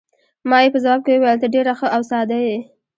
ما یې په ځواب کې وویل: ته ډېره ښه او ساده یې.